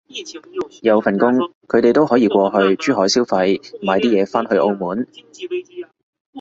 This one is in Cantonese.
有份工，佢哋都可以過去珠海消費買啲嘢返去澳門